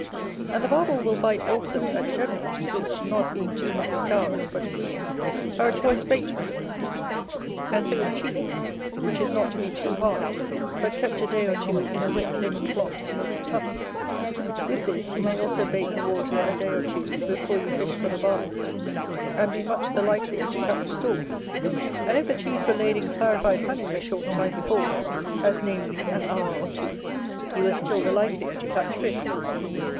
And the Barbel will bite also at generals, which, not being too much scoured, but green, are a choice bait for him: and so is cheese, which is not to be too hard, but kept a day or two in a wet linen cloth, to make it tough; with this you may also bait the water a day or two before you fish for the Barbel, and be much the likelier to catch store; and if the cheese were laid in clarified honey a short time before, as namely, an hour or two, you were still the likelier to catch fish.